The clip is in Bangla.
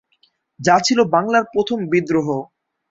যা ছিল বাংলার প্রথম বিদ্রোহ।